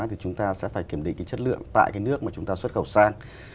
thì chúng ta sẽ phải kiểm định chất lượng tại nước mà chúng ta xuất khẩu sang